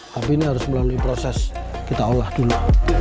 tapi ini harus melalui proses kita olah dulu